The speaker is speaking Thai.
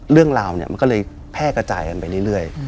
เรื่องราวมันก็เลยแพร่กระจายกันไปเรื่อย